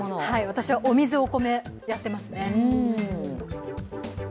私はお水、お米やってますね。